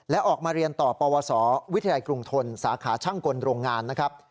และออกมาเรียนต่อปวสวิทยาลัยกรุงทนสาขาช่างกลโรงงานนะครับ